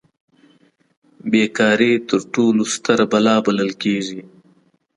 بې کاري تر ټولو ستره بلا بلل کیږي.